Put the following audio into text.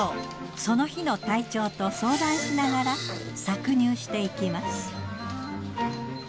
その日の体調と相談しながら搾乳していきます。